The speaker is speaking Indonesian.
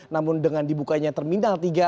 namun dengan dibukanya terminal tiga